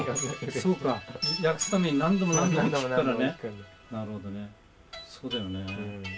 そうか訳すために何度も何度も聴くからね。